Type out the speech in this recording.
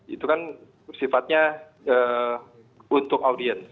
itu kan sifatnya untuk audiens